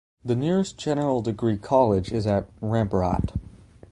The nearest general degree college is at Rampurhat.